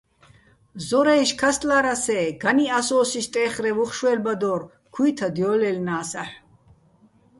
ზორა́ჲში̆ ქასტლა́რას-ე́, განი́ ას ო́სი სტე́ხრევ უ̂ხ შვე́ლბადო́რ, ქუ́ჲთად ჲო́ლჲაჲლნა́ს აჰ̦ო̆.